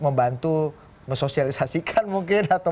membantu mesosialisasikan mungkin atau